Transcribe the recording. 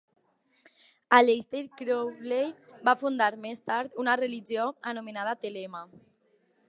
Aleister Crowley va fundar més tard una religió anomenada thelema.